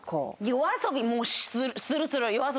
夜遊びもうするするする？